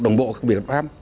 đồng bộ các việc pháp